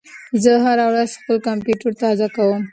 زه هره ورځ خپل کمپیوټر تازه کوم.